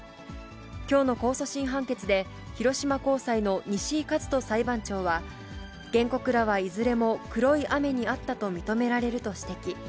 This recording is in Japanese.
きょうの控訴審判決で、広島高裁の西井和徒裁判長は、原告らはいずれも黒い雨に遭ったと認められると指摘。